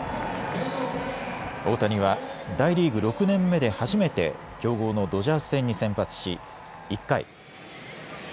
大谷は大リーグ６年目で初めて強豪のドジャース戦に先発し１回。